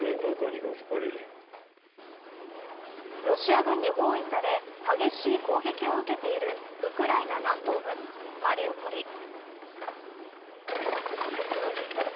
ロシア軍に包囲され激しい攻撃を受けているウクライナ南東部マリウポリ。